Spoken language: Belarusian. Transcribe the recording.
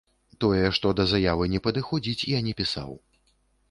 Тое, што да заявы не падыходзіць, я не пісаў.